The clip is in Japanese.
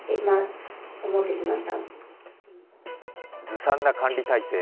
ずさんな管理体制。